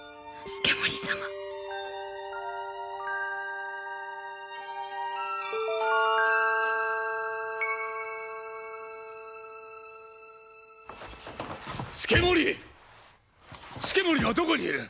資盛はどこにいる？